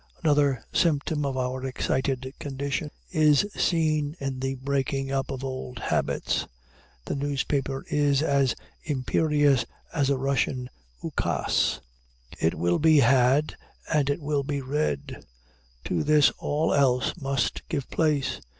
Another symptom of our excited condition is seen in the breaking up of old habits. The newspaper is as imperious as a Russian Ukase; it will be had, and it will be read. To this all else must give place.